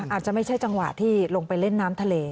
อาจจะไม่ใช่จังหวะที่ลงไปเล่นน้ำทะเล